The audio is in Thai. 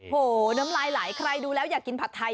น้ำลายไหลใครดูแล้วอยากกินผัดไทย